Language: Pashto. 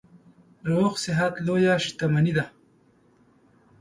روغ صحت لویه شتنمي ده.